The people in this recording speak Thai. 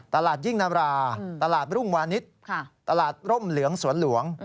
ตลาดยิ่งนาราตลาดรุ่งวานิสตลาดร่มเหลืองสวนหลวง